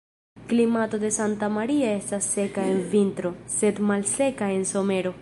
Klimato de Santa Maria estas seka en vintro, sed malseka en somero.